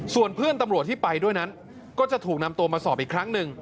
ส่วนเพื่อนตำรวจที่ไปด้วยนั้นก็จะถูกนำตัวมาสอบอีกครั้งหนึ่ง